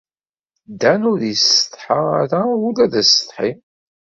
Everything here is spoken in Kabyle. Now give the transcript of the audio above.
Dan ur yessetḥa ara ula d assetḥi.